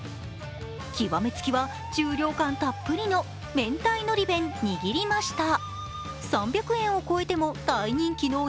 極めつきは重量感たっぷりの明太のり弁にぎりました。